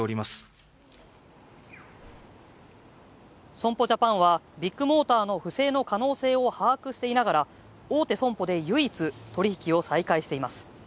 損保ジャパンはビッグモーターの不正の可能性を把握していながら、大手損保で唯一取引を再開しています。